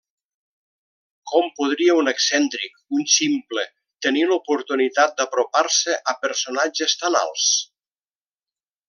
Com podria un excèntric, un ximple, tenir l'oportunitat d'apropar-se a personatges tan alts?